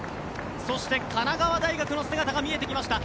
そして神奈川大学の姿が見えてきました。